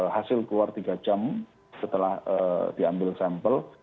hasil keluar tiga jam setelah diambil sampel